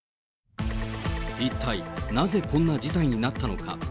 一体、なぜこんな事態になったのか。